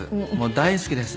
大好きです。